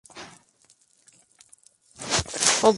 La Rede Bandeirantes entró en la Justicia contra Danilo Gentili.